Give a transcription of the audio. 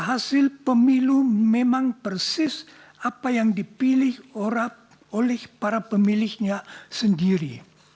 hasil pemilu memang persis apa yang dipilih oleh para pemilihnya sendiri